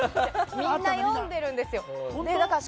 みんな読んでるんでしょ。